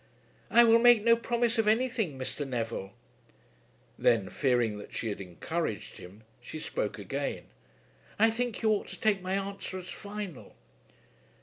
"I will make no promise of anything, Mr. Neville." Then, fearing that she had encouraged him, she spoke again. "I think you ought to take my answer as final."